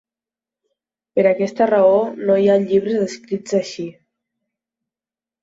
Per aquesta raó no hi ha llibres escrits així.